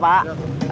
masih ya pak